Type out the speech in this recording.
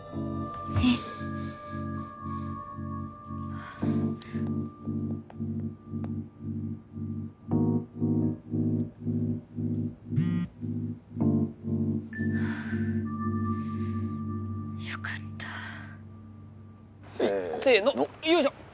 あっはあよかったせーのせーのよいしょっ